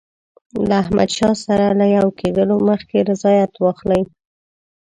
له احمدشاه سره له یو کېدلو مخکي رضایت واخلي.